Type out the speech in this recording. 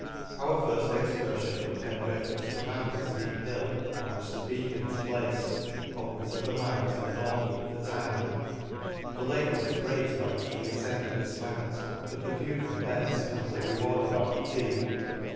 Our firft excurfion from Penrith was to mount the fteep hill on which the beacon is placed, upwards of a mile to the north ward of the town ;— the labour was great by which we afcended this mount, but the view from thence amply rewarded our fatigue.